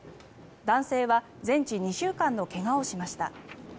男性は全治２週間の怪我をしました。